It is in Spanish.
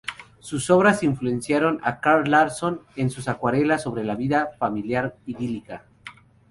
Sus obras influenciaron a Carl Larsson en sus acuarelas sobre la vida familiar idílica.